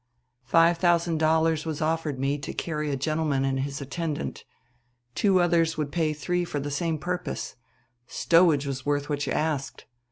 "Five thousand dollars was offered me to carry a gentleman and his attendant. Two others would pay three for the same purpose. Stowage was worth what you asked....